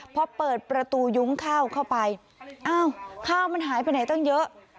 พอเปิดประตูยุ้งข้าวเข้าไปอ้าวข้าวมันหายไปไหนตั้งเยอะ